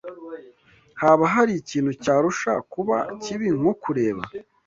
Haba hari ikintu cyarusha kuba kibi nko kureba